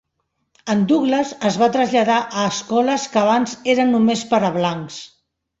En Douglas es va traslladar a escoles que abans eren només per a blancs.